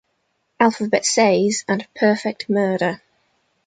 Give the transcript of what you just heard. Alphabet Says" and "Perfect Murder".